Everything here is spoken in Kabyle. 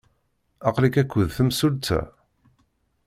Aql-ik akked temsulta?